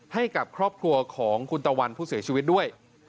ให้กับครอบครัวของคุณตะวันผู้เสียชีวิตด้วย